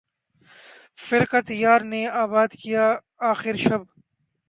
فرقت یار نے آباد کیا آخر شب